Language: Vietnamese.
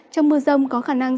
trong mưa rông có khả năng